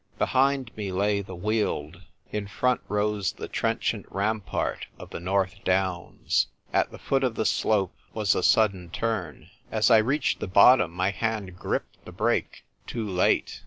Behind me lay the Weald ; in front rose the trenchant ram part of the North Downs. At the foot of the slope was a sudden turn. 88 THE TYPE WRITKR CIRI.. As I reached the bottom my hand gri})ped the break — too late.